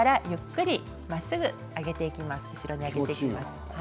そこから後ろに上げていきます。